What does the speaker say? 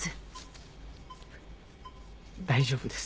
大丈夫です。